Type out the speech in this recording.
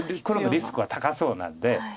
黒もリスクは高そうなんで。